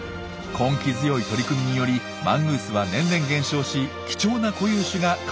根気強い取り組みによりマングースは年々減少し貴重な固有種が回復しつつあります。